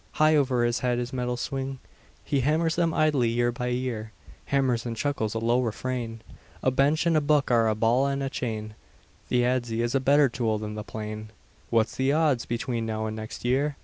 High over his head his metals swing; He hammers them idly year by year, Hammers and chuckles a low refrain: "A bench and a book are a ball and a chain, The adze is a better tool than the plane; What's the odds between now and next year?"